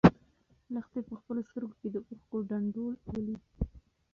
لښتې په خپلو سترګو کې د اوښکو ډنډول ولیدل.